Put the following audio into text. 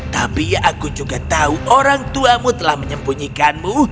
tapi aku juga tahu orang tuamu telah menyembunyikanmu